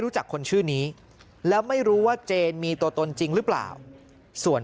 รู้จักคนชื่อนี้แล้วไม่รู้ว่าเจนมีตัวตนจริงหรือเปล่าส่วน